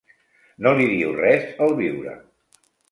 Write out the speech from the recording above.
No li diu res el viure.